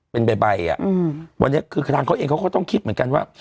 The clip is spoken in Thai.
เป็นใบอ่ะอืมวันนี้คือทางเขาเองเขาก็ต้องคิดเหมือนกันว่า